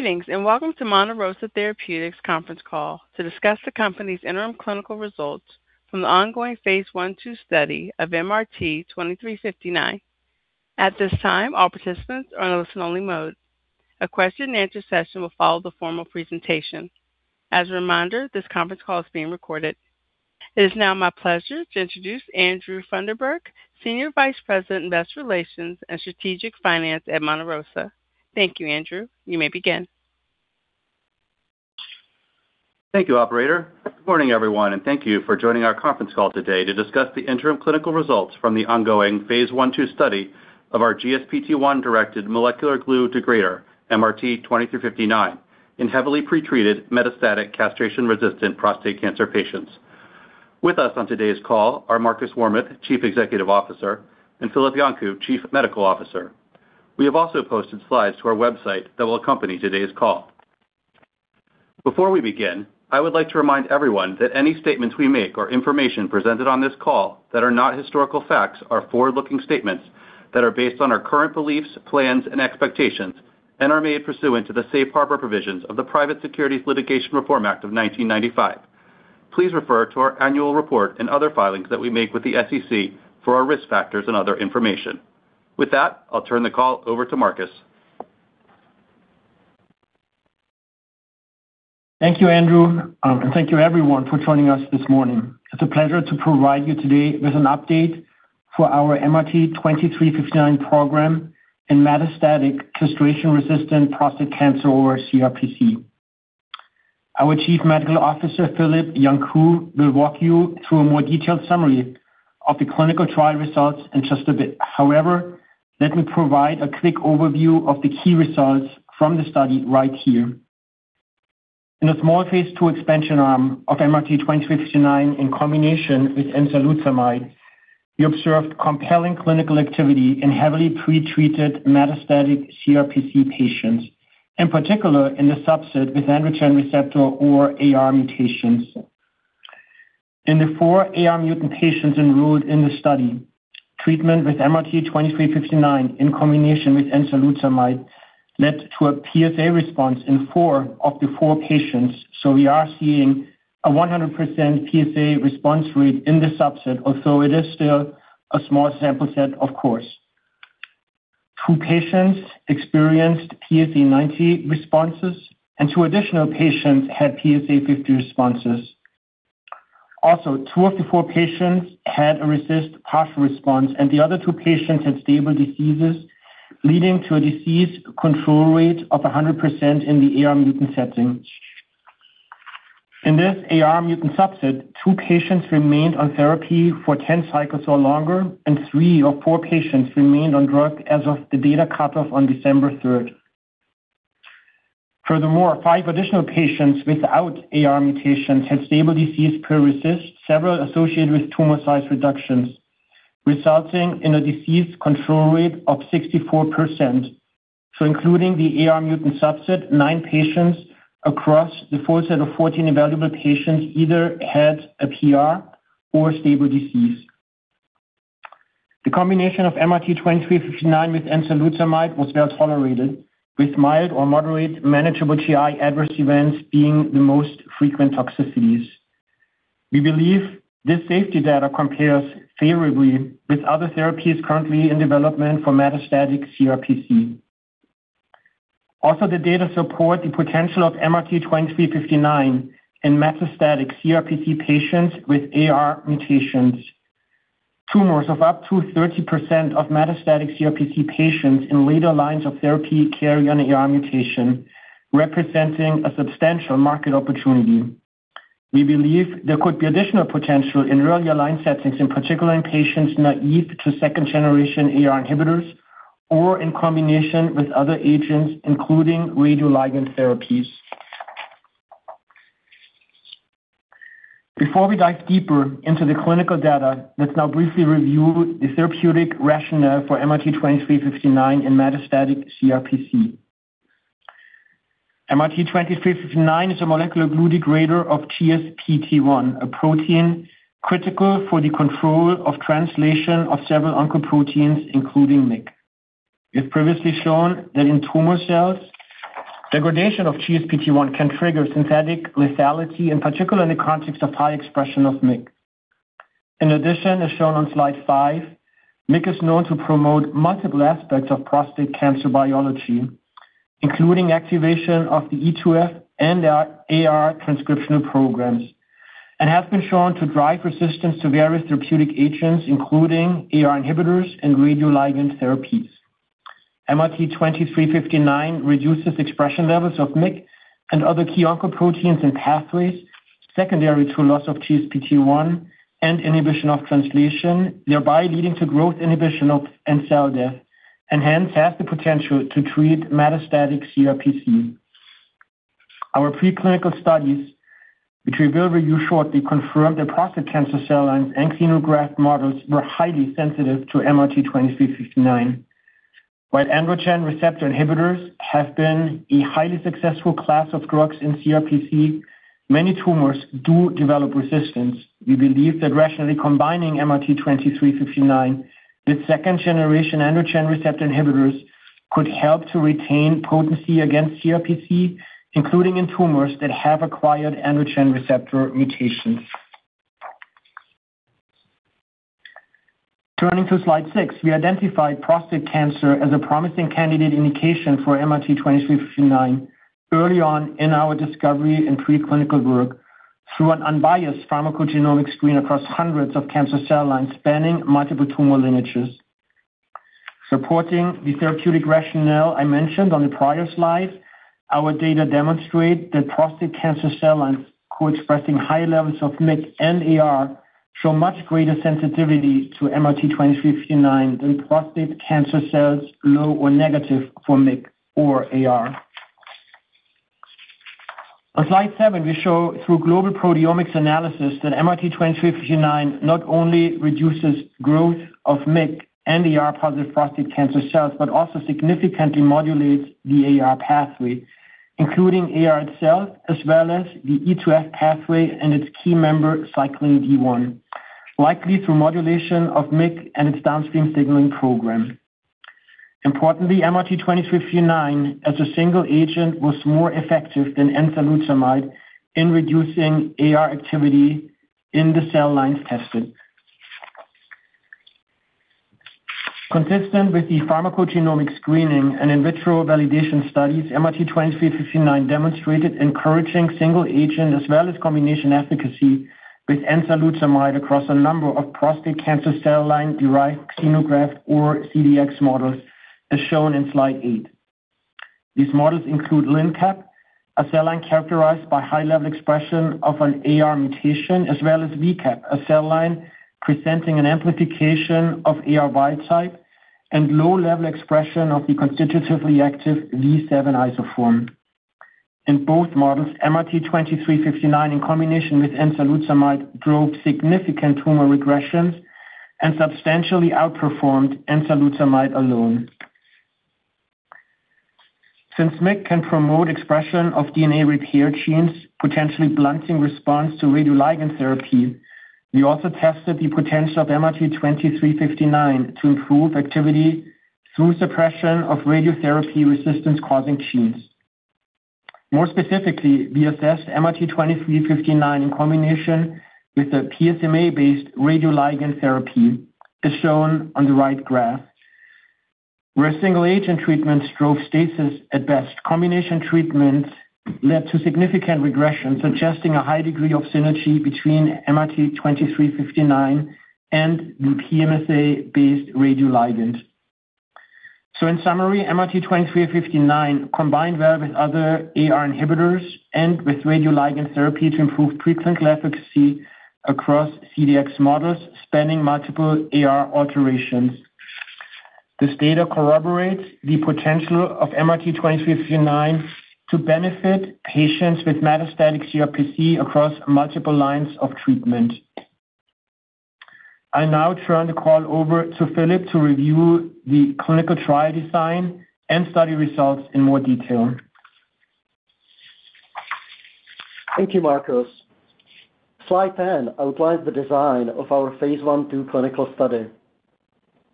Greetings and welcome to Monte Rosa Therapeutics' Conference Call to discuss the company's interim clinical results from the ongoing phase I/II study of MRT-2359. At this time, all participants are in listen-only mode. A question-and-answer session will follow the formal presentation. As a reminder, this conference call is being recorded. It is now my pleasure to introduce Andrew Funderburk, Senior Vice President of Investor Relations and Strategic Finance at Monte Rosa. Thank you, Andrew. You may begin. Thank you, Operator. Good morning, everyone, and thank you for joining our conference call today to discuss the interim clinical results from the ongoing phase I/II study of our GSPT1-directed molecular glue degrader, MRT-2359, in heavily-pretreated metastatic castration-resistant prostate cancer patients. With us on today's call are Markus Warmuth, Chief Executive Officer, and Filip Janku, Chief Medical Officer. We have also posted slides to our website that will accompany today's call. Before we begin, I would like to remind everyone that any statements we make or information presented on this call that are not historical facts are forward-looking statements that are based on our current beliefs, plans, and expectations, and are made pursuant to the Safe Harbor provisions of the Private Securities Litigation Reform Act of 1995. Please refer to our annual report and other filings that we make with the SEC for our risk factors and other information. With that, I'll turn the call over to Markus. Thank you, Andrew, and thank you, everyone, for joining us this morning. It's a pleasure to provide you today with an update for our MRT-2359 program in metastatic castration-resistant prostate cancer, or CRPC. Our Chief Medical Officer, Filip Janku, will walk you through a more detailed summary of the clinical trial results in just a bit. However, let me provide a quick overview of the key results from the study right here. In the small phase II expansion arm of MRT-2359 in combination with enzalutamide, we observed compelling clinical activity in heavily-pretreated metastatic CRPC patients, in particular in the subset with androgen receptor or AR mutations. In the four AR mutant patients enrolled in the study, treatment with MRT-2359 in combination with enzalutamide led to a PSA response in four of the four patients, so we are seeing a 100% PSA response rate in the subset, although it is still a small sample set, of course. Two patients experienced PSA90 responses, and two additional patients had PSA50 responses. Also, two of the four patients had a RECIST partial response, and the other two patients had stable disease, leading to a disease control rate of 100% in the AR mutant setting. In this AR mutant subset, two patients remained on therapy for 10 cycles or longer, and three or four patients remained on drug as of the data cutoff on December 3rd. Furthermore, five additional patients without AR mutations had stable disease per RECIST, several associated with tumor size reductions, resulting in a disease control rate of 64%, so including the AR mutant subset, nine patients across the full set of 14 available patients either had a PR or stable disease. The combination of MRT-2359 with enzalutamide was well tolerated, with mild or moderate manageable GI adverse events being the most frequent toxicities. We believe this safety data compares favorably with other therapies currently in development for metastatic CRPC. Also, the data support the potential of MRT-2359 in metastatic CRPC patients with AR mutations. Tumors of up to 30% of metastatic CRPC patients in later lines of therapy carry an AR mutation, representing a substantial market opportunity. We believe there could be additional potential in earlier line settings, in particular in patients naïve to 2nd generation AR inhibitors or in combination with other agents, including radioligand therapies. Before we dive deeper into the clinical data, let's now briefly review the Therapeutic Rationale for MRT-2359 in metastatic CRPC. MRT-2359 is a molecular glue degrader of GSPT1, a protein critical for the control of translation of several oncoproteins, including MYC. It's previously shown that in tumor cells, degradation of GSPT1 can trigger synthetic lethality, in particular in the context of high expression of MYC. In addition, as shown on slide five, MYC is known to promote multiple aspects of prostate cancer biology, including activation of the E2F and AR transcriptional programs, and has been shown to drive resistance to various therapeutic agents, including AR inhibitors and radioligand therapies. MRT-2359 reduces expression levels of MYC and other key oncoproteins and pathways secondary to loss of GSPT1 and inhibition of translation, thereby leading to growth inhibition and cell death, and hence has the potential to treat metastatic CRPC. Our preclinical studies, which we will review shortly, confirmed that prostate cancer cell lines and xenograft models were highly sensitive to MRT-2359. While androgen receptor inhibitors have been a highly successful class of drugs in CRPC, many tumors do develop resistance. We believe that rationally combining MRT-2359 with 2nd generation androgen receptor inhibitors could help to retain potency against CRPC, including in tumors that have acquired androgen receptor mutations. Turning to slide six, we identified prostate cancer as a promising candidate indication for MRT-2359 early on in our discovery and preclinical work through an unbiased pharmacogenomic screen across hundreds of cancer cell lines spanning multiple tumor lineages. Supporting the Therapeutic Rationale I mentioned on the prior slide, our data demonstrate that prostate cancer cell lines co-expressing high levels of MYC and AR show much greater sensitivity to MRT-2359 than prostate cancer cells low or negative for MYC or AR. On slide seven, we show through global proteomics analysis that MRT-2359 not only reduces growth of MYC and AR-positive prostate cancer cells, but also significantly modulates the AR pathway, including AR itself, as well as the E2F pathway and its key member Cyclin D1, likely through modulation of MYC and its downstream signaling program. Importantly, MRT-2359 as a single agent was more effective than enzalutamide in reducing AR activity in the cell lines tested. Consistent with the pharmacogenomic screening and in vitro validation studies, MRT-2359 demonstrated encouraging single agent as well as combination efficacy with enzalutamide across a number of prostate cancer cell line-derived xenograft or CDX models, as shown in slide eight. These models include LNCaP, a cell line characterized by high-level expression of an AR mutation, as well as VCAP, a cell line presenting an amplification of AR, and low-level expression of the constitutively active V7 isoform. In both models, MRT-2359 in combination with enzalutamide drove significant tumor regressions and substantially outperformed enzalutamide alone. Since MYC can promote expression of DNA repair genes, potentially blunting response to radioligand therapy, we also tested the potential of MRT-2359 to improve activity through suppression of radiotherapy resistance-causing genes. More specifically, we assessed MRT-2359 in combination with a PSMA-based radioligand therapy, as shown on the right graph, where single agent treatments drove stasis at best. Combination treatments led to significant regression, suggesting a high degree of synergy between MRT-2359 and the PSMA-based radioligand, so in summary, MRT-2359 combined well with other AR inhibitors and with radioligand therapy to improve preclinical efficacy across CDX models spanning multiple AR alterations. This data corroborates the potential of MRT-2359 to benefit patients with metastatic CRPC across multiple lines of treatment. I now turn the call over to Filip to review the clinical trial design and study results in more detail. Thank you, Markus. Slide 10 outlines the design of our phase I/II clinical study.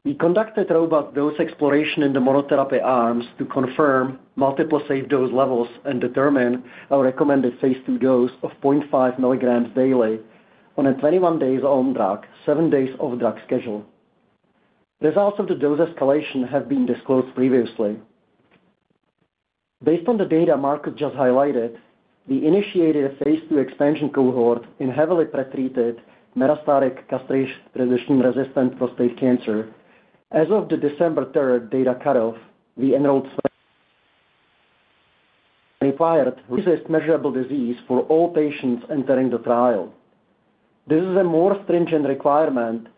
We conducted robust dose exploration in the monotherapy arms to confirm multiple safe dose levels and determine our recommended phase II dose of 0.5 mg daily on a 21-day on-drug, seven-day off-drug schedule. Results of the dose escalation have been disclosed previously. Based on the data Markus just highlighted, we initiated a phase II expansion cohort in heavily-pretreated metastatic castration-resistant prostate cancer. As of the December 3rd data cutoff, we enrolled 20 patients required to have RECIST-measurable disease for all patients entering the trial. This is a more stringent requirement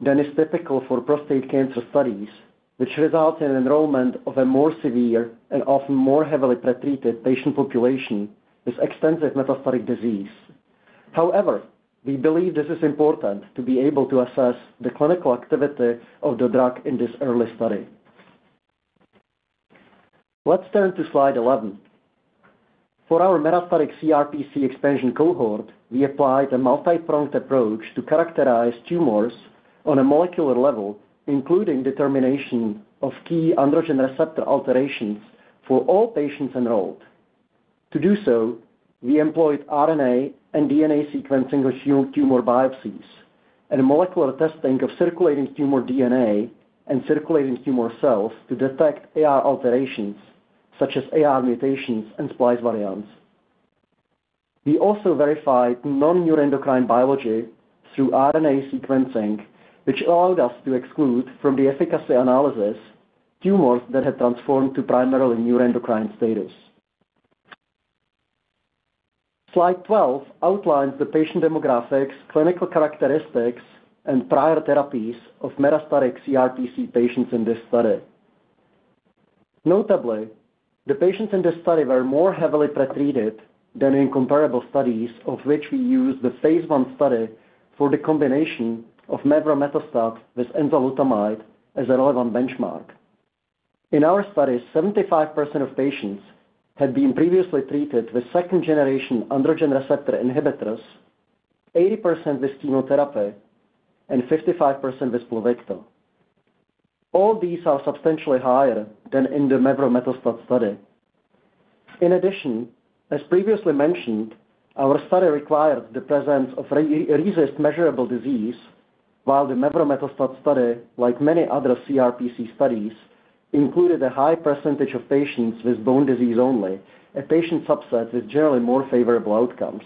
than is typical for prostate cancer studies, which results in enrollment of a more severe and often more heavily-pretreated patient population with extensive metastatic disease. However, we believe this is important to be able to assess the clinical activity of the drug in this early study. Let's turn to slide 11. For our metastatic CRPC expansion cohort, we applied a multi-pronged approach to characterize tumors on a molecular level, including determination of key androgen receptor alterations for all patients enrolled. To do so, we employed RNA and DNA sequencing of tumor biopsies and molecular testing of circulating tumor DNA and circulating tumor cells to detect AR alterations, such as AR mutations and splice variants. We also verified non-neuroendocrine biology through RNA sequencing, which allowed us to exclude from the efficacy analysis tumors that had transformed to primarily neuroendocrine status. Slide 12 outlines the patient demographics, clinical characteristics, and prior therapies of metastatic CRPC patients in this study. Notably, the patients in this study were more heavily-pretreated than in comparable studies, of which we used the phase I study for the combination of mevrometostat with enzalutamide as a relevant benchmark. In our studies, 75% of patients had been previously treated with 2nd generation androgen receptor inhibitors, 80% with chemotherapy, and 55% with Pluvicto. All these are substantially higher than in the mevrometostat study. In addition, as previously mentioned, our study required the presence of RECIST measurable disease, while the mevrometostat study, like many other CRPC studies, included a high percentage of patients with bone disease only, a patient subset with generally more favorable outcomes.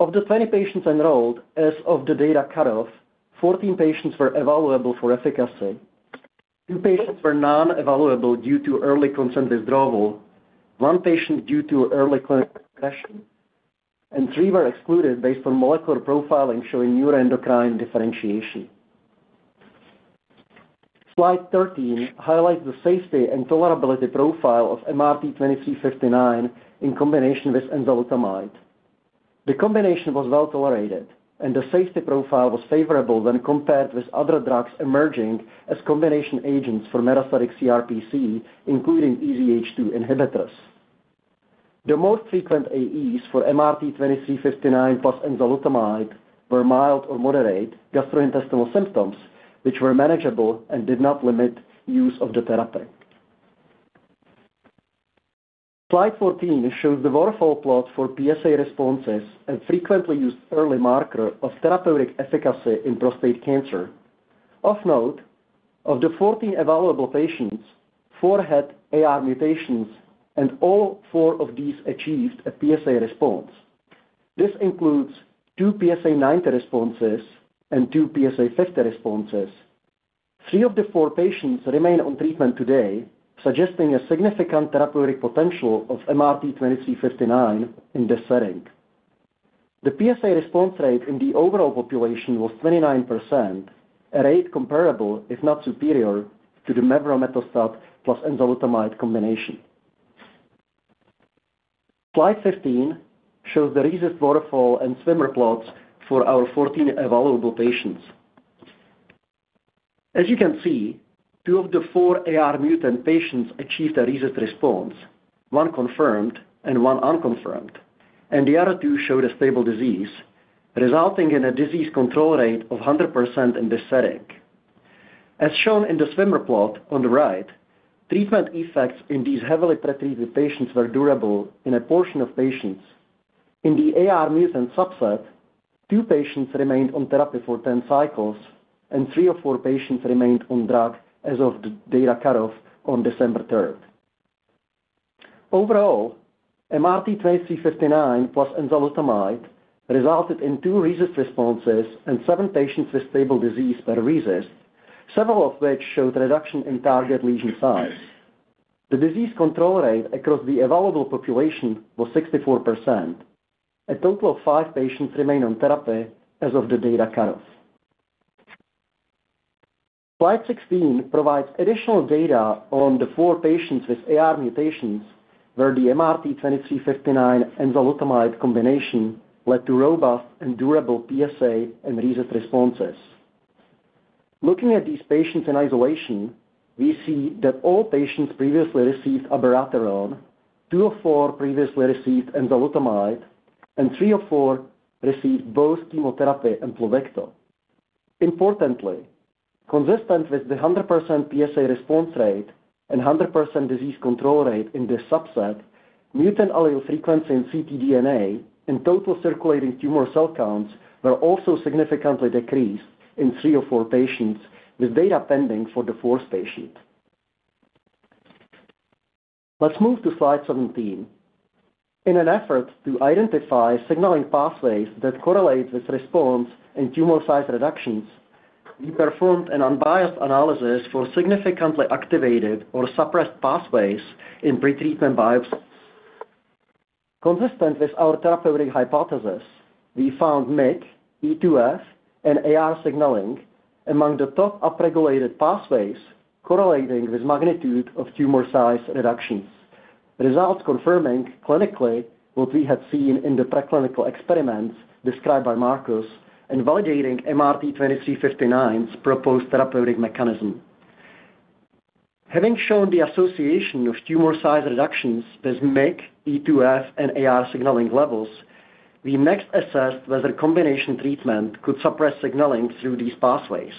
Of the 20 patients enrolled, as of the data cutoff, 14 patients were evaluable for efficacy. Two patients were non-evaluable due to early consent withdrawal, one patient due to early clinical progression, and three were excluded based on molecular profiling showing neuroendocrine differentiation. Slide 13 highlights the safety and tolerability profile of MRT-2359 in combination with enzalutamide. The combination was well tolerated, and the safety profile was favorable when compared with other drugs emerging as combination agents for metastatic CRPC, including EZH2 inhibitors. The most frequent AEs for MRT-2359 plus enzalutamide were mild or moderate gastrointestinal symptoms, which were manageable and did not limit use of the therapy. Slide 14 shows the waterfall plot for PSA responses and frequently used early marker of therapeutic efficacy in prostate cancer. Of note, of the 14 evaluable patients, four had AR mutations, and all four of these achieved a PSA response. This includes two PSA90 responses and two PSA50 responses. Three of the four patients remain on treatment today, suggesting a significant therapeutic potential of MRT-2359 in this setting. The PSA response rate in the overall population was 29%, a rate comparable, if not superior, to the mevrometostat plus enzalutamide combination. Slide 15 shows the RECIST waterfall and swimmer plots for our 14 evaluable patients. As you can see, two of the four AR mutant patients achieved a RECIST response, one confirmed and one unconfirmed, and the other two showed a stable disease, resulting in a disease control rate of 100% in this setting. As shown in the swimmer plot on the right, treatment effects in these heavily-pretreated patients were durable in a portion of patients. In the AR mutant subset, two patients remained on therapy for 10 cycles, and three or four patients remained on drug as of the data cutoff on December 3rd. Overall, MRT-2359 plus enzalutamide resulted in two RECIST responses and seven patients with stable disease per RECIST, several of which showed reduction in target lesion size. The disease control rate across the available population was 64%. A total of five patients remained on therapy as of the data cutoff. Slide 16 provides additional data on the four patients with AR mutations where the MRT-2359 enzalutamide combination led to robust and durable PSA and RECIST responses. Looking at these patients in isolation, we see that all patients previously received abiraterone, two of four previously received enzalutamide, and three of four received both chemotherapy and Pluvicto. Importantly, consistent with the 100% PSA response rate and 100% disease control rate in this subset, mutant allele frequency in ctDNA and total circulating tumor cell counts were also significantly decreased in three or four patients, with data pending for the fourth patient. Let's move to slide 17. In an effort to identify signaling pathways that correlate with response and tumor size reductions, we performed an unbiased analysis for significantly activated or suppressed pathways in pretreatment biopsies. Consistent with our therapeutic hypothesis, we found MYC, E2F, and AR signaling among the top upregulated pathways correlating with magnitude of tumor size reductions, results confirming clinically what we had seen in the preclinical experiments described by Markus and validating MRT-2359's proposed therapeutic mechanism. Having shown the association of tumor size reductions with MYC, E2F, and AR signaling levels, we next assessed whether combination treatment could suppress signaling through these pathways.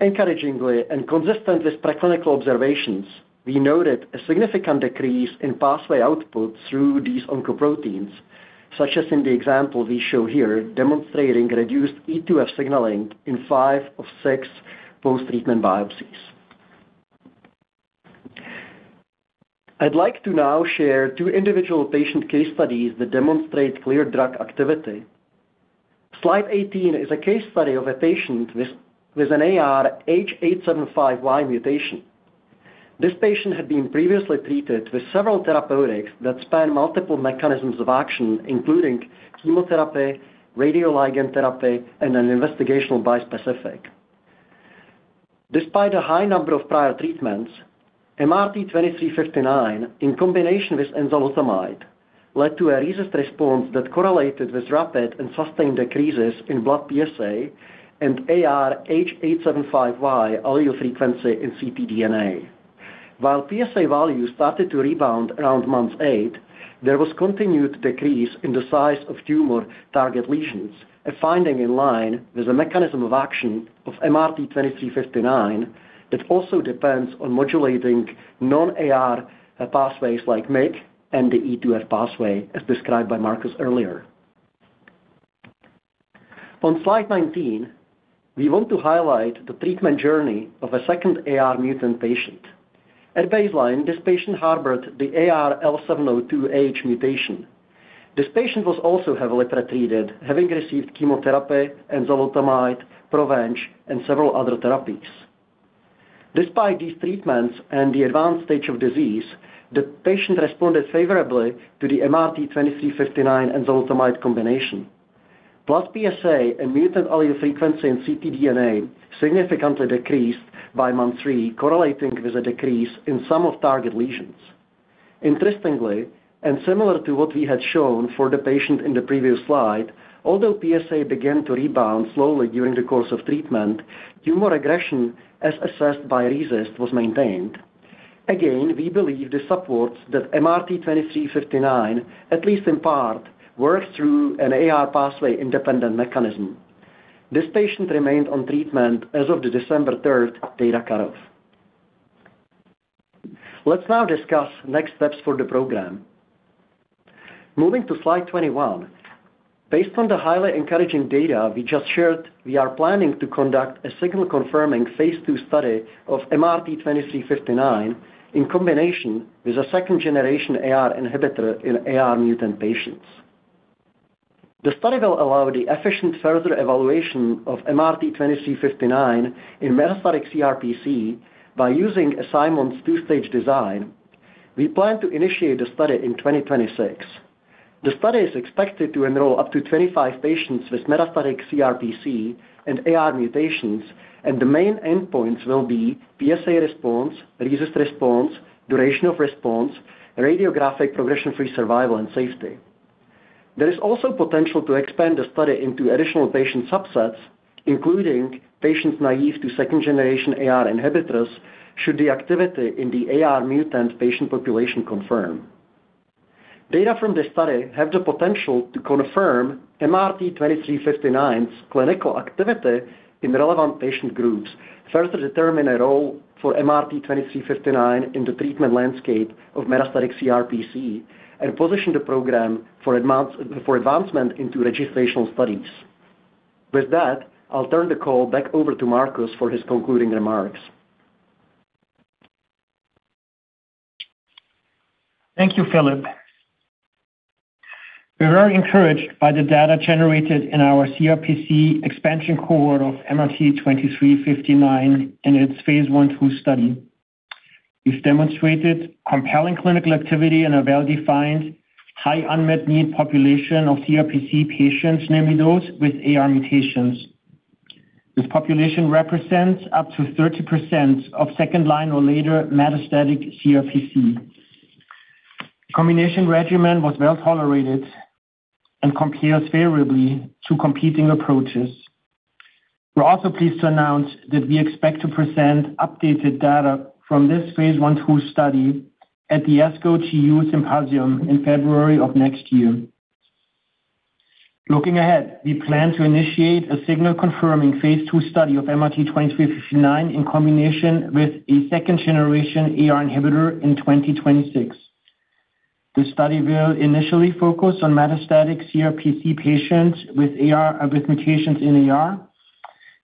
Encouragingly and consistent with preclinical observations, we noted a significant decrease in pathway output through these oncoproteins, such as in the example we show here, demonstrating reduced E2F signaling in five of six post-treatment biopsies. I'd like to now share two individual patient case studies that demonstrate clear drug activity. Slide 18 is a case study of a patient with an AR H875Y mutation. This patient had been previously treated with several therapeutics that span multiple mechanisms of action, including chemotherapy, radioligand therapy, and an investigational bispecific. Despite a high number of prior treatments, MRT-2359 in combination with enzalutamide led to a robust response that correlated with rapid and sustained decreases in blood PSA and AR H875Y allele frequency in ctDNA. While PSA values started to rebound around month eight, there was continued decrease in the size of tumor target lesions, a finding in line with the mechanism of action of MRT-2359 that also depends on modulating non-AR pathways like MYC and the E2F pathway, as described by Markus earlier. On slide 19, we want to highlight the treatment journey of a second AR mutant patient. At baseline, this patient harbored the AR L702H mutation. This patient was also heavily-pretreated, having received chemotherapy, enzalutamide, Provenge, and several other therapies. Despite these treatments and the advanced stage of disease, the patient responded favorably to the MRT-2359 enzalutamide combination. PSA and mutant allele frequency in ctDNA significantly decreased by month three, correlating with a decrease in some of target lesions. Interestingly, and similar to what we had shown for the patient in the previous slide, although PSA began to rebound slowly during the course of treatment, tumor regression, as assessed by RECIST, was maintained. Again, we believe this supports that MRT-2359, at least in part, works through an AR pathway-independent mechanism. This patient remained on treatment as of the December 3rd data cutoff. Let's now discuss next steps for the program. Moving to slide 21. Based on the highly encouraging data we just shared, we are planning to conduct a signal-confirming phase II study of MRT-2359 in combination with a 2nd generation AR inhibitor in AR mutant patients. The study will allow the efficient further evaluation of MRT-2359 in metastatic CRPC by using a Simon's 2-Stage Design. We plan to initiate the study in 2026. The study is expected to enroll up to 25 patients with metastatic CRPC and AR mutations, and the main endpoints will be PSA response, RECIST response, duration of response, radiographic progression-free survival, and safety. There is also potential to expand the study into additional patient subsets, including patients naïve to 2nd generation AR inhibitors should the activity in the AR mutant patient population confirm. Data from the study have the potential to confirm MRT-2359's clinical activity in relevant patient groups, further determine a role for MRT-2359 in the treatment landscape of metastatic CRPC, and position the program for advancement into registrational studies. With that, I'll turn the call back over to Markus for his concluding remarks. Thank you, Filip. We're very encouraged by the data generated in our CRPC expansion cohort of MRT-2359 in its phase I/II study. We've demonstrated compelling clinical activity in a well-defined, high unmet need population of CRPC patients, namely those with AR mutations. This population represents up to 30% of 2nd line or later metastatic CRPC. Combination regimen was well tolerated and compares favorably to competing approaches. We're also pleased to announce that we expect to present updated data from this phase I/II study at the ASCO Genitourinary Cancers Symposium in February of next year. Looking ahead, we plan to initiate a signal-confirming phase II study of MRT-2359 in combination with a 2nd generation AR inhibitor in 2026. The study will initially focus on metastatic CRPC patients with AR mutations in AR,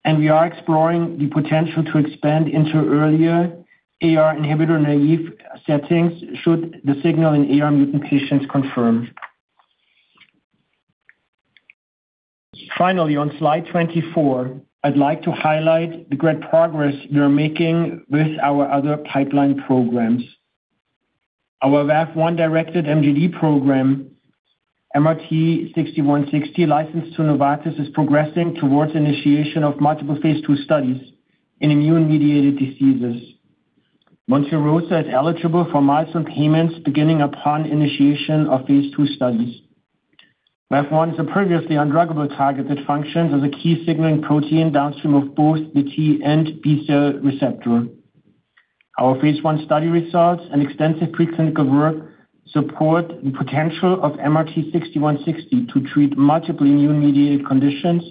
and we are exploring the potential to expand into earlier AR inhibitor-naïve settings should the signal in AR mutant patients confirm. Finally, on slide 24, I'd like to highlight the great progress we're making with our other pipeline programs. Our VAV1-directed MGD program, MRT-6160 licensed to Novartis, is progressing towards initiation of multiple phase II studies in immune-mediated diseases. Monte Rosa is eligible for milestone payments beginning upon initiation of phase II studies. VAV1 is a previously undruggable target that functions as a key signaling protein downstream of both the T and B cell receptor. Our phase I study results and extensive preclinical work support the potential of MRT-6160 to treat multiple immune-mediated conditions,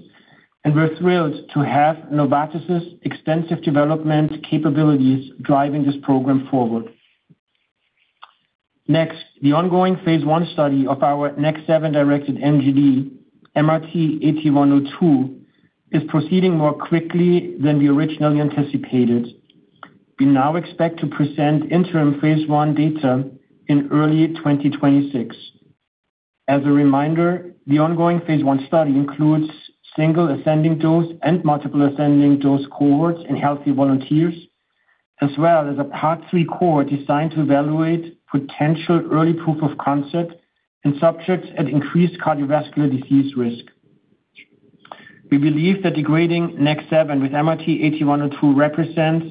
and we're thrilled to have Novartis's extensive development capabilities driving this program forward. Next, the ongoing phase I study of our NEK7-directed MGD, MRT-8102, is proceeding more quickly than we originally anticipated. We now expect to present interim phase I data in early 2026. As a reminder, the ongoing phase I study includes single ascending dose and multiple ascending dose cohorts in healthy volunteers, as well as a part three cohort designed to evaluate potential early proof of concept in subjects at increased cardiovascular disease risk. We believe that degrading NEK7 with MRT-8102 represents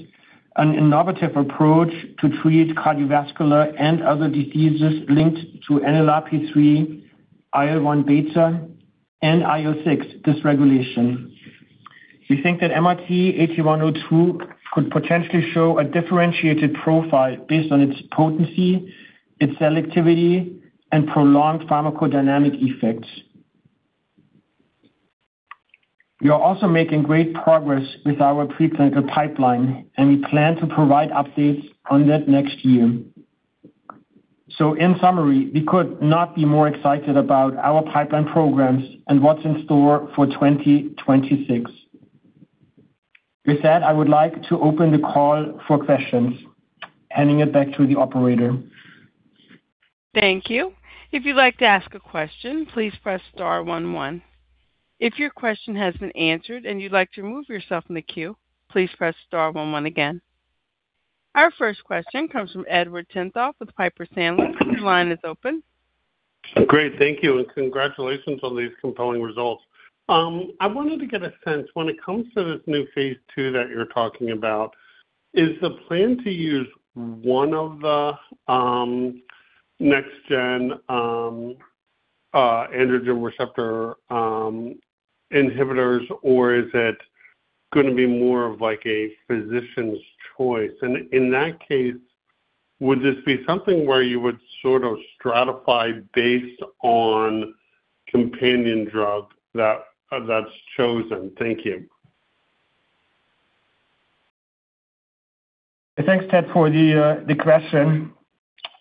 an innovative approach to treat cardiovascular and other diseases linked to NLRP3, IL-1β, and IL-6 dysregulation. We think that MRT-8102 could potentially show a differentiated profile based on its potency, its selectivity, and prolonged pharmacodynamic effects. We are also making great progress with our preclinical pipeline, and we plan to provide updates on that next year. So, in summary, we could not be more excited about our pipeline programs and what's in store for 2026. With that, I would like to open the call for questions, handing it back to the operator. Thank you. If you'd like to ask a question, please press star one one. If your question has been answered and you'd like to remove yourself from the queue, please press star one one again. Our first question comes from Edward Tenthoff with Piper Sandler. Your line is open. Great. Thank you, and congratulations on these compelling results. I wanted to get a sense, when it comes to this new phase II that you're talking about, is the plan to use one of the next-gen androgen receptor inhibitors, or is it going to be more of a physician's choice? And in that case, would this be something where you would sort of stratify based on companion drug that's chosen? Thank you. Thanks, Ted, for the question.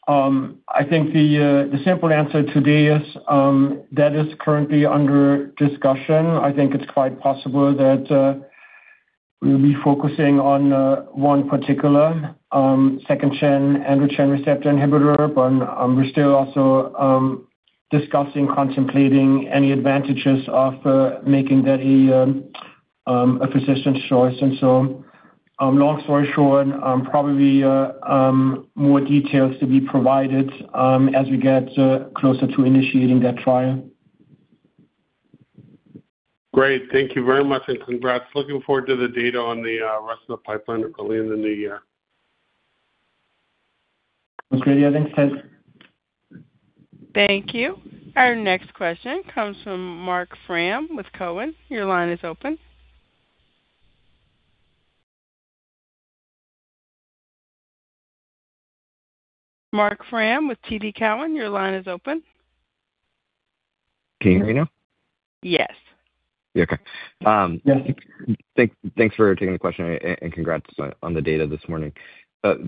I think the simple answer today is that it's currently under discussion. I think it's quite possible that we'll be focusing on one particular 2nd gen androgen receptor inhibitor, but we're still also discussing, contemplating any advantages of making that a physician's choice. And so, long story short, probably more details to be provided as we get closer to initiating that trial. Great. Thank you very much, and congrats. Looking forward to the data on the rest of the pipeline early in the new year. Sounds great. Yeah, thanks, Ted. Thank you. Our next question comes from Marc Frahm with TD Cowen. Your line is open. Marc Frahm with TD Cowen, your line is open. Can you hear me now? Yes. Yeah, okay. Thanks for taking the question, and congrats on the data this morning. But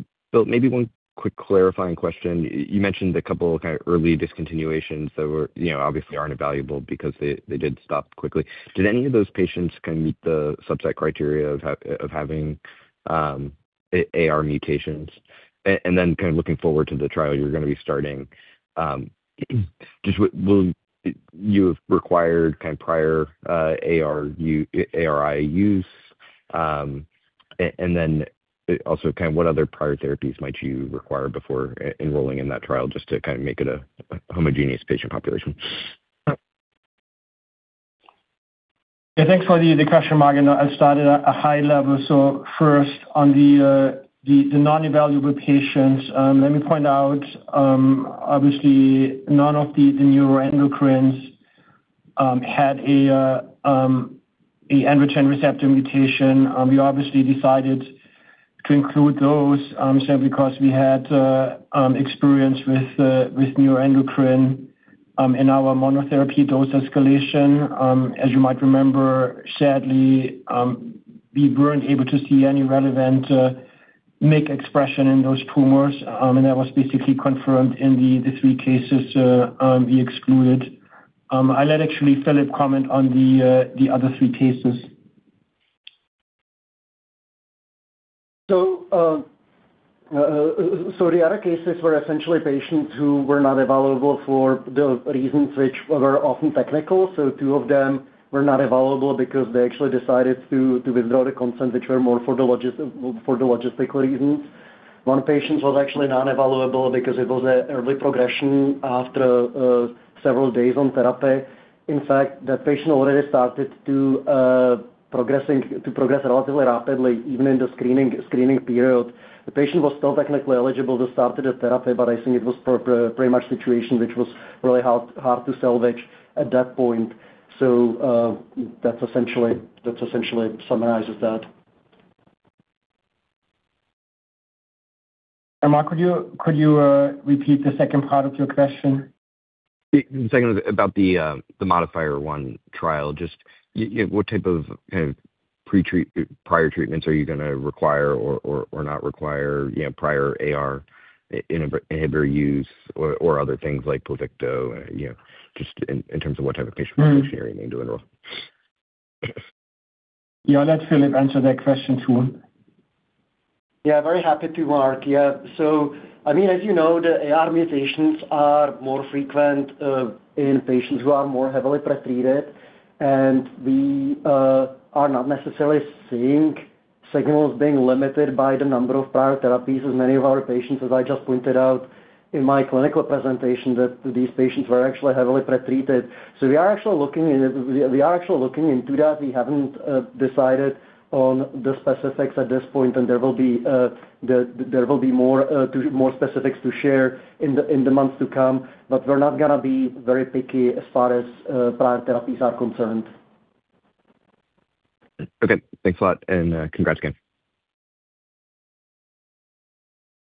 maybe one quick clarifying question. You mentioned a couple of early discontinuations that obviously aren't evaluable because they did stop quickly. Did any of those patients meet the subset criteria of having AR mutations? And then looking forward to the trial you're going to be starting, you have required prior ARi use. And then also, what other prior therapies might you require before enrolling in that trial just to make it a homogeneous patient population? Yeah, thanks for the question, Marc. I'll start at a high level. So first, on the non-evaluable patients, let me point out, obviously, none of the neuroendocrine had an androgen receptor mutation. We obviously decided to include those simply because we had experience with neuroendocrine in our monotherapy dose escalation. As you might remember, sadly, we weren't able to see any relevant MYC expression in those tumors, and that was basically confirmed in the three cases we excluded. I'll let actually Filip comment on the other three cases. The other cases were essentially patients who were not available for the reasons which were often technical. Two of them were not available because they actually decided to withdraw the consent, which were more for the logistical reasons. One patient was actually not available because it was an early progression after several days on therapy. In fact, that patient already started to progress relatively rapidly, even in the screening period. The patient was still technically eligible to start the therapy, but I think it was pretty much a situation which was really hard to salvage at that point. That essentially summarizes that. Marc, could you repeat the second part of your question? The second was about the modifier I trial. Just what type of prior treatments are you going to require or not require prior AR inhibitor use or other things like Pluvicto? Just in terms of what type of patient population you're aiming to enroll. Yeah, I'll let Filip answer that question too. Yeah, very happy to work. Yeah. So I mean, as you know, the AR mutations are more frequent in patients who are more heavily-pretreated, and we are not necessarily seeing signals being limited by the number of prior therapies as many of our patients, as I just pointed out in my clinical presentation, that these patients were actually heavily-pretreated. So we are actually looking into that. We haven't decided on the specifics at this point, and there will be more specifics to share in the months to come, but we're not going to be very picky as far as prior therapies are concerned. Okay. Thanks a lot, and congrats again.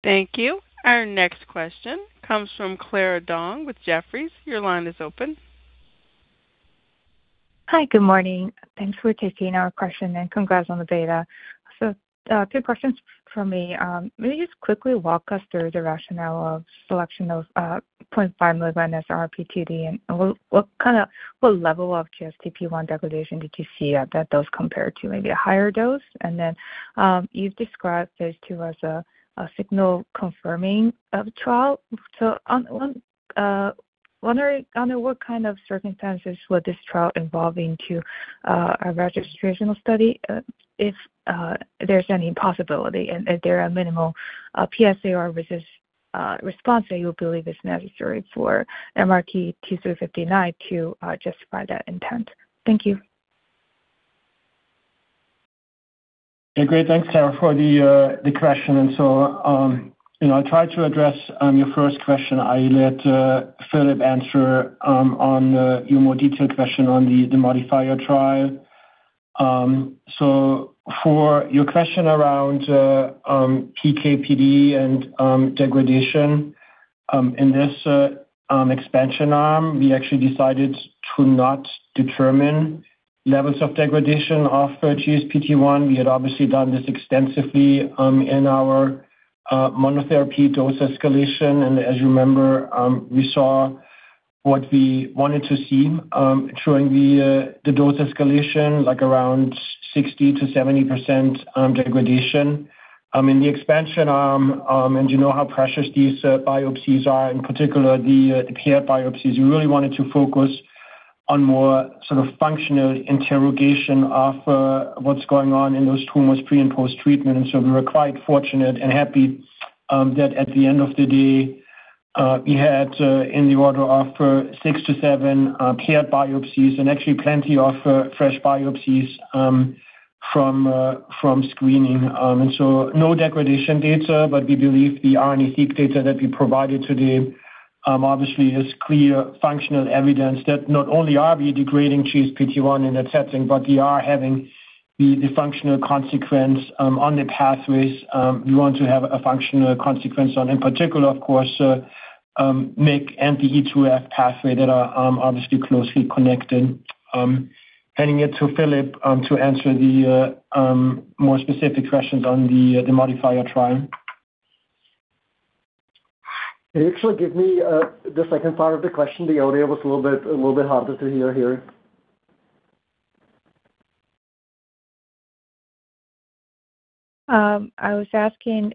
Thank you. Our next question comes from Clara Dong with Jefferies. Your line is open. Hi, good morning. Thanks for taking our question, and congrats on the data. So two questions for me. Maybe just quickly walk us through the rationale of selection of 0.5 mg RP2D, and what level of GSPT1 degradation did you see that those compared to? Maybe a higher dose? And then you've described this too as a signal-confirming trial. So under what kind of circumstances would this trial evolve into a registrational study if there's any possibility, and if there are minimal PSA response that you believe is necessary for MRT-2359 to justify that intent? Thank you. Great. Thanks, Clara, for the question. And so I'll try to address your first question. I'll let Filip answer on your more detailed question on the modifier trial. So for your question around PKPD and degradation, in this expansion arm, we actually decided to not determine levels of degradation of GSPT1. We had obviously done this extensively in our monotherapy dose escalation. And as you remember, we saw what we wanted to see during the dose escalation, like around 60%-70% degradation. In the expansion arm, and you know how precious these biopsies are, in particular the paired biopsies, we really wanted to focus on more functional interrogation of what's going on in those tumors pre and post-treatment. And so we were quite fortunate and happy that at the end of the day, we had in the order of six to seven paired biopsies and actually plenty of fresh biopsies from screening. And so no degradation data, but we believe the RNA-Seq data that we provided today obviously is clear functional evidence that not only are we degrading GSPT1 in that setting, but we are having the functional consequence on the pathways we want to have a functional consequence on, in particular, of course, MYC and the E2F pathway that are obviously closely connected. Handing it to Filip to answer the more specific questions on the modifier trial. Can you actually give me the second part of the question? The audio was a little bit harder to hear here. I was asking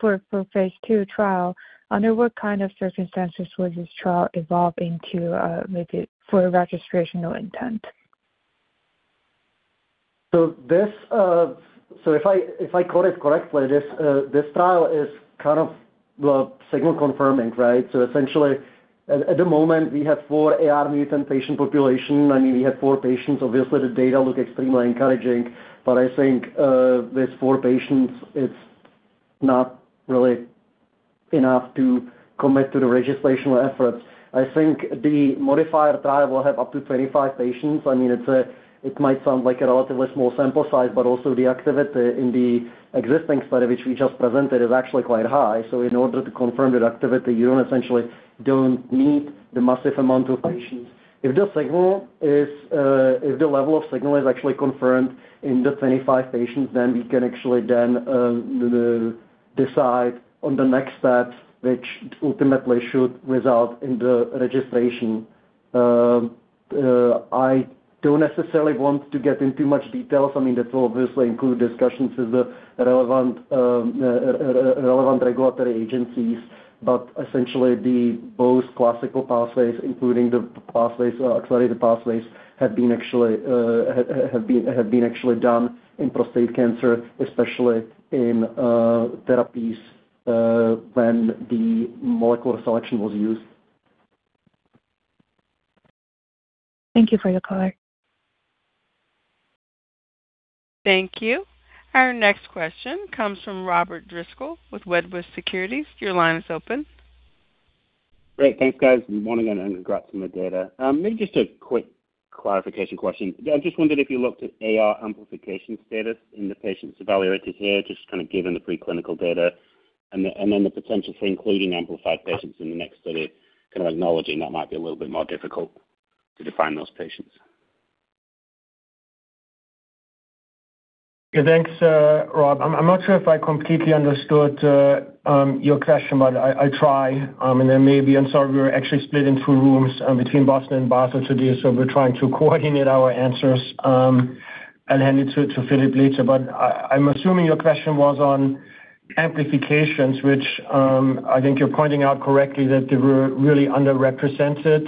for a phase II trial. Under what kind of circumstances would this trial evolve into for registrational intent? So if I quote it correctly, this trial is kind of signal-confirming, right? So essentially, at the moment, we have four AR mutant patient populations. I mean, we have four patients. Obviously, the data look extremely encouraging, but I think with four patients, it's not really enough to commit to the registrational efforts. I think the modifier trial will have up to 25 patients. I mean, it might sound like a relatively small sample size, but also the activity in the existing study, which we just presented, is actually quite high. So in order to confirm the activity, you don't essentially need the massive amount of patients. If the level of signal is actually confirmed in the 25 patients, then we can actually then decide on the next steps, which ultimately should result in the registration. I don't necessarily want to get into much details. I mean, that will obviously include discussions with the relevant regulatory agencies, but essentially, both classical pathways, including the accelerated pathways, have been actually done in prostate cancer, especially in therapies when the molecular selection was used. Thank you for your color. Thank you. Our next question comes from Robert Driscoll with Wedbush Securities. Your line is open. Great. Thanks, guys. Good morning, and congrats on the data. Maybe just a quick clarification question. I just wondered if you looked at AR amplification status in the patients evaluated here, just given the preclinical data, and then the potential for including amplified patients in the next study, acknowledging that might be a little bit more difficult to define those patients. Okay. Thanks, Rob. I'm not sure if I completely understood your question, but I'll try. Then maybe I'm sorry. We were actually split into rooms between Boston and Basel today, so we're trying to coordinate our answers and hand it to Filip later. But I'm assuming your question was on amplifications, which I think you're pointing out correctly, that they were really underrepresented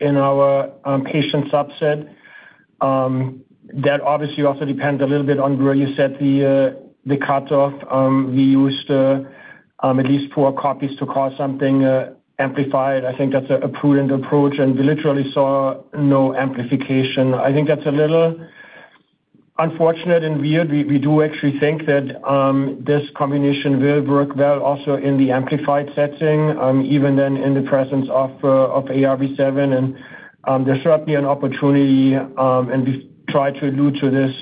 in our patient subset. That obviously also depends a little bit on where you set the cutoff. We used at least four copies to call something amplified. I think that's a prudent approach, and we literally saw no amplification. I think that's a little unfortunate and weird. We do actually think that this combination will work well also in the amplified setting, even then in the presence of AR-V7. There's certainly an opportunity, and we've tried to allude to this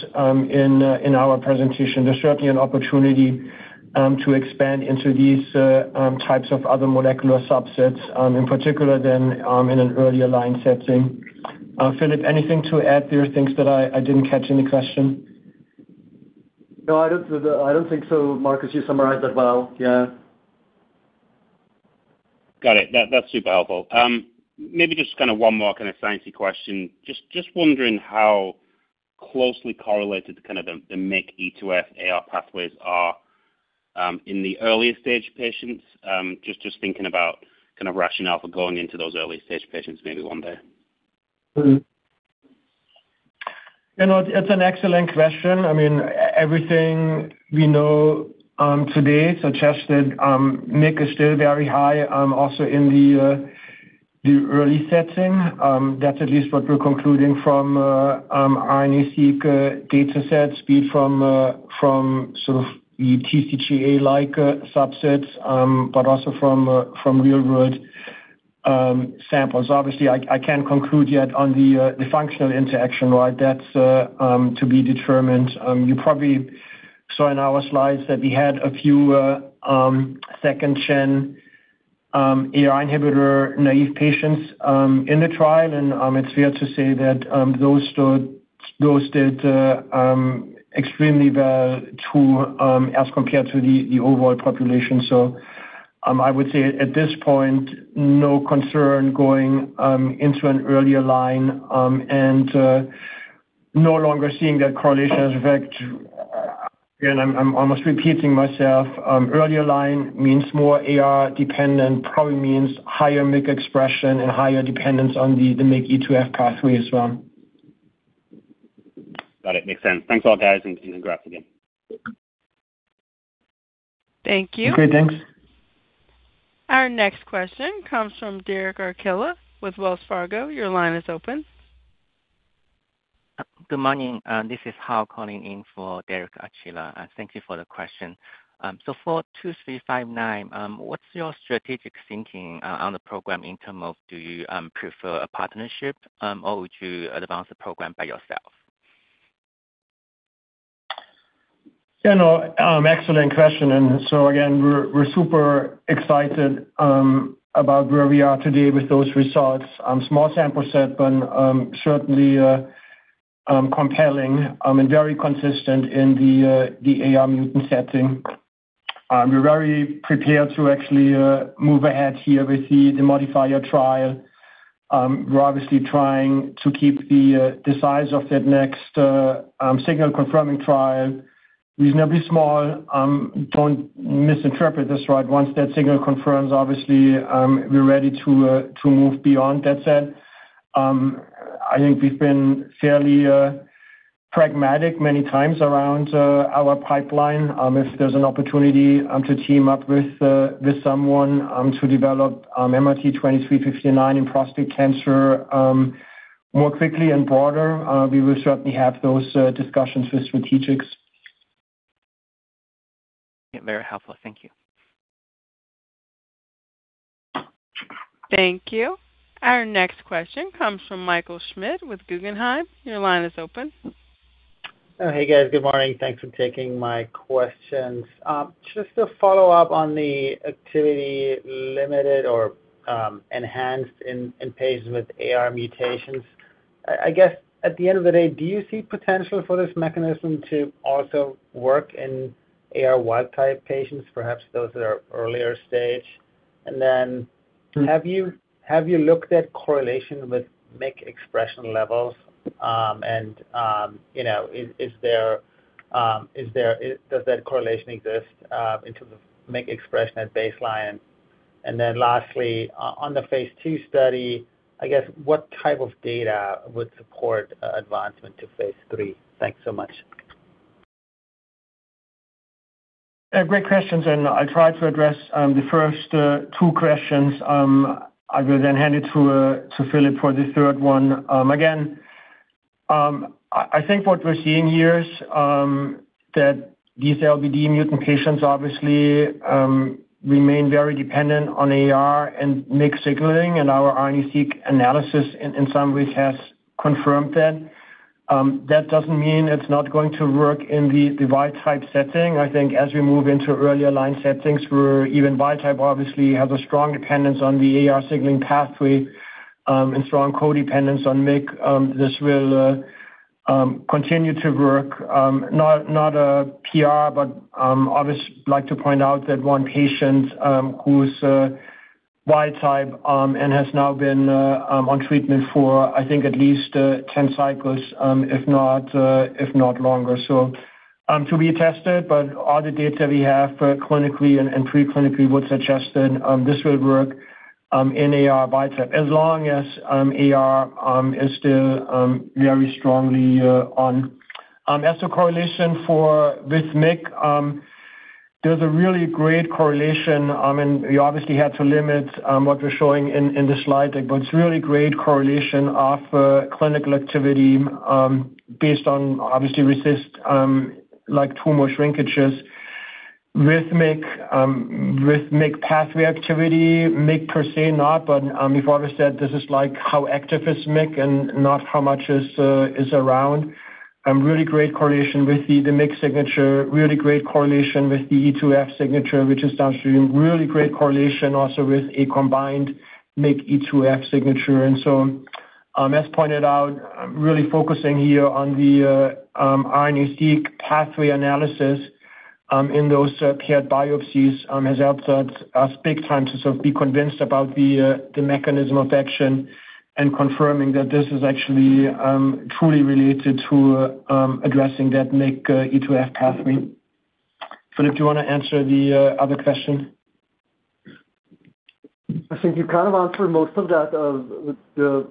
in our presentation. There's certainly an opportunity to expand into these types of other molecular subsets, in particular then in an earlier line setting. Filip, anything to add there? Things that I didn't catch in the question? No, I don't think so, Markus. You summarized that well. Yeah. Got it. That's super helpful. Maybe just one more sanity question. Just wondering how closely correlated the MYC, E2F, AR pathways are in the earlier stage patients, just thinking about rationale for going into those early stage patients maybe one day. It's an excellent question. I mean, everything we know today suggests that MYC is still very high also in the early setting. That's at least what we're concluding from RNA-Seq datasets, be it from TCGA-like subsets, but also from real-world samples. Obviously, I can't conclude yet on the functional interaction, right? That's to be determined. You probably saw in our slides that we had a few 2nd gen AR inhibitor naïve patients in the trial, and it's fair to say that those did extremely well as compared to the overall population. So I would say, at this point, no concern going into an earlier line, and no longer seeing that correlation effect. Again, I'm almost repeating myself. Earlier line means more AR dependent, probably means higher MYC expression and higher dependence on the MYC, E2F pathway as well. Got it. Makes sense. Thanks a lot, guys, and congrats again. Thank you. Okay. Thanks. Our next question comes from Derek Archila with Wells Fargo. Your line is open. Good morning. This is Hao calling in for Derek Archilla. Thank you for the question. For 2359, what's your strategic thinking on the program in terms of do you prefer a partnership or would you advance the program by yourself? Excellent question. And so again, we're super excited about where we are today with those results. Small sample set, but certainly compelling and very consistent in the AR mutant setting. We're very prepared to actually move ahead here with the modifier trial. We're obviously trying to keep the size of that next signal-confirming trial reasonably small. Don't misinterpret this, right? Once that signal confirms, obviously, we're ready to move beyond that set. I think we've been fairly pragmatic many times around our pipeline. If there's an opportunity to team up with someone to develop MRT-2359 in prostate cancer more quickly and broader, we will certainly have those discussions with strategics. Very helpful. Thank you. Thank you. Our next question comes from Michael Schmidt with Guggenheim. Your line is open. Hey, guys. Good morning. Thanks for taking my questions. Just to follow up on the activity limited or enhanced in patients with AR mutations. I guess, at the end of the day, do you see potential for this mechanism to also work in AR wild-type patients, perhaps those that are earlier stage? And then have you looked at correlation with MYC expression levels, and does that correlation exist into the MYC expression at baseline? And then lastly, on the phase II study, I guess, what type of data would support advancement to phase III? Thanks so much. Great questions, and I'll try to address the first two questions. I will then hand it to Filip for the third one. Again, I think what we're seeing here is that these LBD mutant patients obviously remain very dependent on AR and MYC signaling, and our RNA-Seq analysis in some ways has confirmed that. That doesn't mean it's not going to work in the wild-type setting. I think as we move into earlier line settings, where even wild-type obviously has a strong dependence on the AR signaling pathway and strong co-dependence on MYC, this will continue to work. Not a PR, but I'd like to point out that one patient who's wild-type and has now been on treatment for, I think, at least 10 cycles, if not longer. So to be tested, but all the data we have clinically and preclinically would suggest that this will work in AR wild-type, as long as AR is still very strongly on. As for correlation with MYC, there's a really great correlation. I mean, we obviously had to limit what we're showing in the slide, but it's really great correlation of clinical activity based on obviously resistant tumor shrinkages. With MYC, with MYC pathway activity, MYC per se not, but we've always said this is how active is MYC and not how much is around. Really great correlation with the MYC signature, really great correlation with the E2F signature, which is downstream. Really great correlation also with a combined MYC E2F signature. And so, as pointed out, really focusing here on the RNA-Seq pathway analysis in those paired biopsies has helped us big time to be convinced about the mechanism of action and confirming that this is actually truly related to addressing that MYC, E2F pathway. Filip, do you want to answer the other question? I think you kind of answered most of that.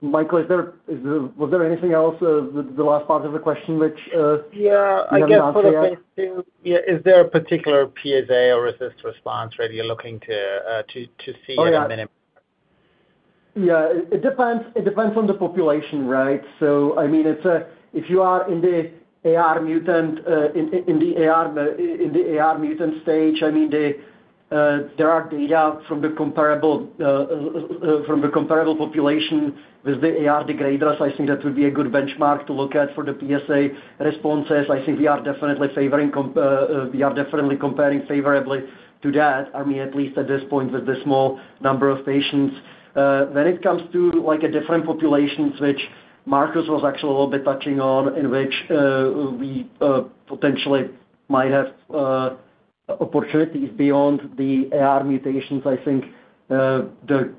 Michael, was there anything else? The last part of the question, which I'm not sure about. Yeah. I guess for the phase II, is there a particular PSA or RECIST response rate you're looking to see at a minimum? Yeah. It depends on the population, right? So I mean, if you are in the AR mutant stage, I mean, there are data from the comparable population with the AR degraders. I think that would be a good benchmark to look at for the PSA responses. I think we are definitely comparing favorably to that, I mean, at least at this point with the small number of patients. When it comes to a different population, which Markus was actually a little bit touching on, in which we potentially might have opportunities beyond the AR mutations, I think the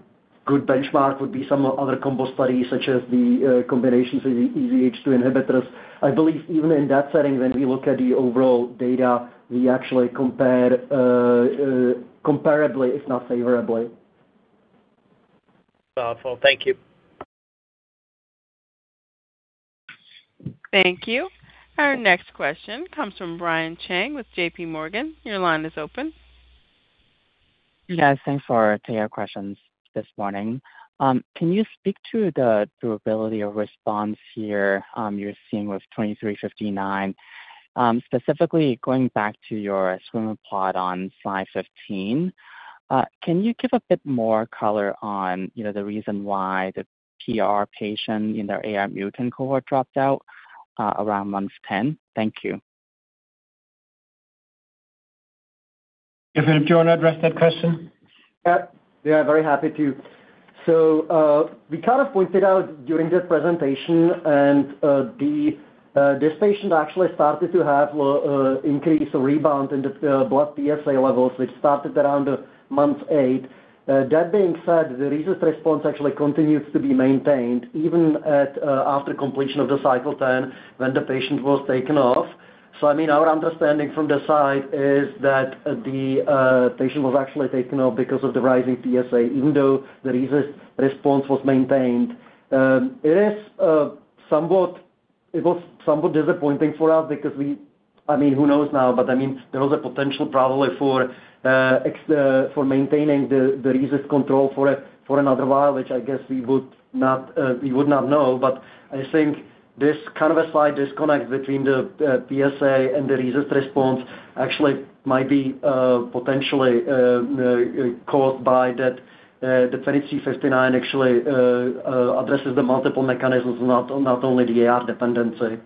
good benchmark would be some other combo studies, such as the combinations of the EZH2 inhibitors. I believe even in that setting, when we look at the overall data, we actually compare comparably, if not favorably. Powerful. Thank you. Thank you. Our next question comes from Brian Cheng with JPMorgan. Your line is open. Yes. Thanks for taking our questions this morning. Can you speak to the durability of response here you're seeing with 2359? Specifically, going back to your swimmer plot on slide 15, can you give a bit more color on the reason why the PR patient in the AR mutant cohort dropped out around month 10? Thank you. Yeah. Filip, do you want to address that question? Yeah. Yeah. Very happy to. So we kind of pointed out during the presentation, and this patient actually started to have increased rebound in the blood PSA levels, which started around month 8. That being said, the RECIST response actually continues to be maintained, even after completion of the cycle 10, when the patient was taken off. So I mean, our understanding from the side is that the patient was actually taken off because of the rising PSA, even though the RECIST response was maintained. It was somewhat disappointing for us because we I mean, who knows now, but I mean, there was a potential probably for maintaining the RECIST control for another while, which I guess we would not know. But I think this kind of a slight disconnect between the PSA and the RECIST response actually might be potentially caused by that the 2359 actually addresses the multiple mechanisms, not only the AR dependency.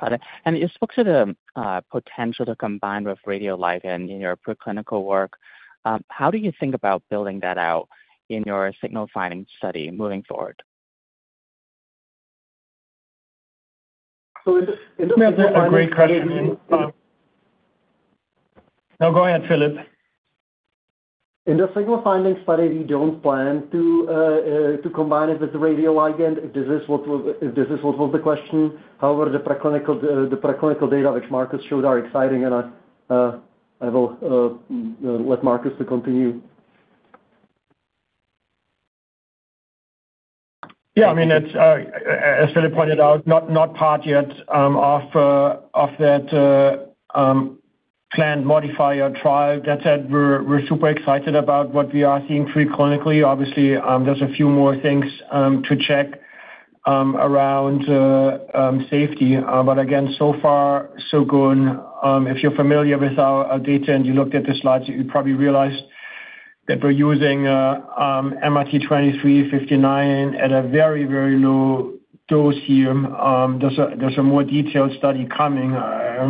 Got it. And you spoke to the potential to combine with radioligand in your preclinical work. How do you think about building that out in your signal finding study moving forward? No, go ahead, Filip. In the signal finding study, we don't plan to combine it with the radioligand. This is what was the question. However, the preclinical data, which Markus showed, are exciting, and I will let Markus to continue. Yeah. I mean, as Filip pointed out, not part yet of that planned modifier trial. That said, we're super excited about what we are seeing preclinically. Obviously, there's a few more things to check around safety. But again, so far, so good. If you're familiar with our data and you looked at the slides, you probably realized that we're using MRT-2359 at a very, very low dose here. There's a more detailed study coming.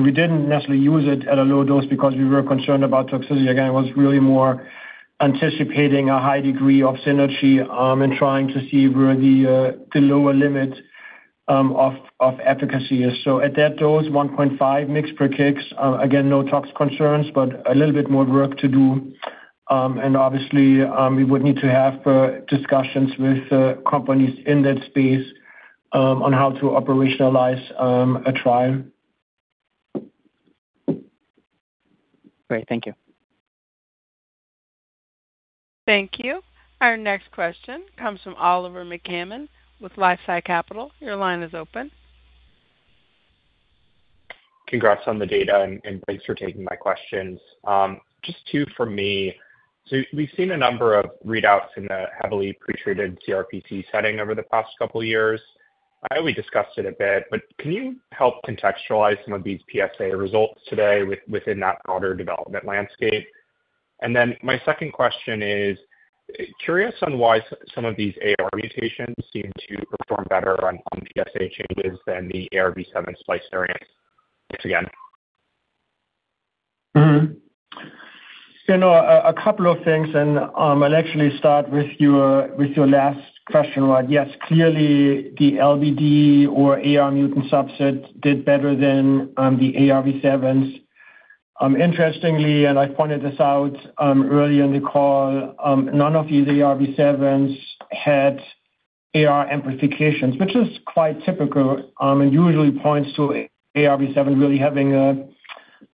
We didn't necessarily use it at a low dose because we were concerned about toxicity. Again, it was really more anticipating a high degree of synergy and trying to see where the lower limit of efficacy is. So at that dose, 1.5 mg per kg, again, no tox concerns, but a little bit more work to do. And obviously, we would need to have discussions with companies in that space on how to operationalize a trial. Great. Thank you. Our next question comes from Oliver McCammon with LifeSci Capital. Your line is open. Congrats on the data, and thanks for taking my questions. Just two for me. We've seen a number of readouts in a heavily-pretreated CRPC setting over the past couple of years. I know we discussed it a bit, but can you help contextualize some of these PSA results today within that broader development landscape? And then my second question is, curious on why some of these AR mutations seem to perform better on PSA changes than the AR-V7 splice variants. Thanks again. A couple of things, and I'll actually start with your last question, right? Yes. Clearly, the LBD or AR mutant subset did better than the AR-V7s. Interestingly, and I pointed this out early in the call, none of these AR-V7s had AR amplifications, which is quite typical and usually points to AR-V7 really having a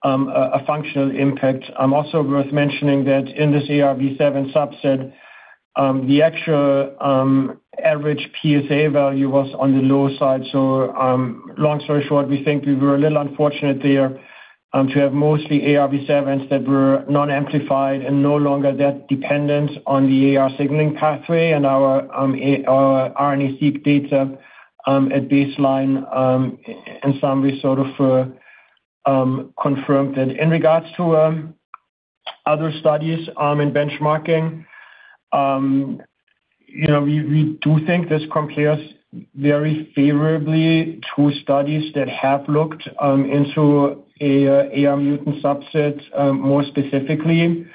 functional impact. Also worth mentioning that in this AR-V7 subset, the actual average PSA value was on the low side. So long story short, we think we were a little unfortunate there to have mostly AR-V7s that were non-amplified and no longer that dependent on the AR signaling pathway. And our RNA-Seq data at baseline, in some ways, sort of confirmed that. In regards to other studies and benchmarking, we do think this compares very favorably to studies that have looked into AR mutant subset more specifically.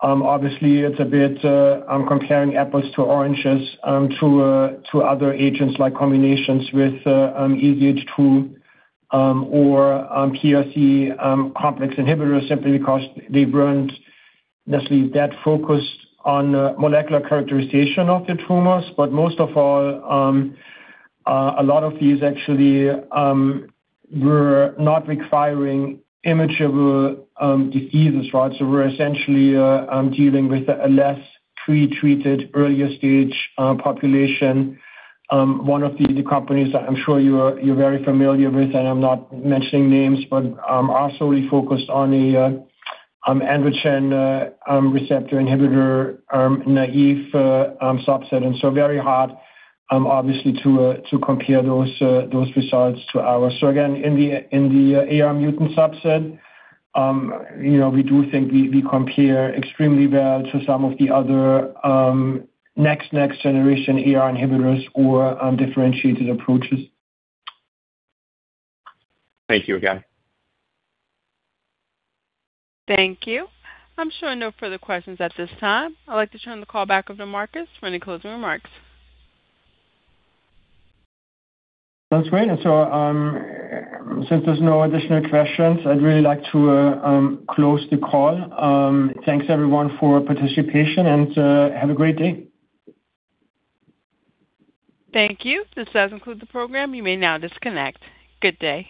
Obviously, it's a bit I'm comparing apples to oranges to other agents like combinations with EZH2 or PRC complex inhibitors simply because they weren't necessarily that focused on molecular characterization of the tumors. But most of all, a lot of these actually were not requiring mature diseases, right? So we're essentially dealing with a less pretreated earlier stage population. One of the companies that I'm sure you're very familiar with, and I'm not mentioning names, but are solely focused on an androgen receptor inhibitor, AR-naïve subset, and so very hard, obviously, to compare those results to ours, so again, in the AR mutant subset, we do think we compare extremely well to some of the other next-generation AR inhibitors or differentiated approaches. Thank you again. Thank you. I'm sure no further questions at this time. I'd like to turn the call back over to Markus for any closing remarks. Sounds great, and so since there's no additional questions, I'd really like to close the call. Thanks, everyone, for participation, and have a great day. Thank you. This does conclude the program. You may now disconnect. Good day.